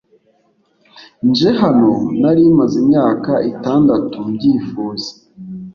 nje hano nari maze imyaka itandatu mbyifuza